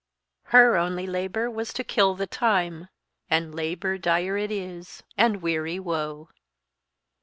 Her "only labour was to kill the time; And labour dire it is, and weary woe."